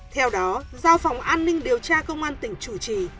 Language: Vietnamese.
theo đó do phòng an ninh điều tra công an tỉnh chủ trì